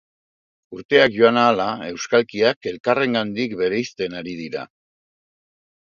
Urteak joan ahala, euskalkiak elkarrengandik bereizten ari dira.